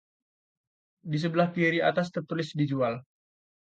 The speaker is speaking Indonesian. "Di sebelah kiri atas tertulis "Dijual"."